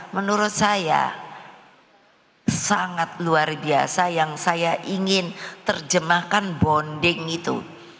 menurut saya sangat luar biasa yang saya ingin terjemahkan bonding itu